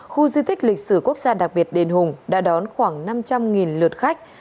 khu di tích lịch sử quốc gia đặc biệt đền hùng đã đón khoảng năm trăm linh lượt khách